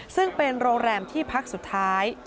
ซึ่งเป็นโรงแรมที่พักสุดท้าย